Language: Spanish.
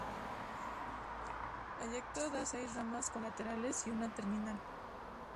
En su trayecto da seis ramas colaterales y una terminal.